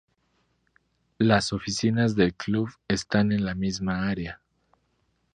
Las oficinas del club están en la misma área.